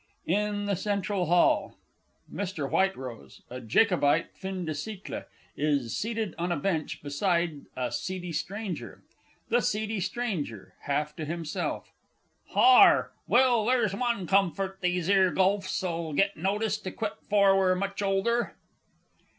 IN THE CENTRAL HALL. MR. WHITEROSE, a Jacobite fin de siècle, is seated on a Bench beside a SEEDY STRANGER. THE S. S. (half to himself). Har, well, there's one comfort, these 'ere Guelphs'll get notice to quit afore we're much older!